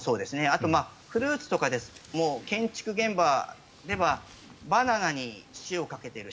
あと、フルーツとかも建築現場ではバナナに塩をかけている。